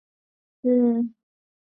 小甘菊为菊科小甘菊属的植物。